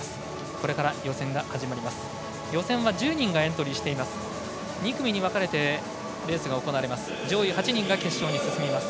これから予選が始まります。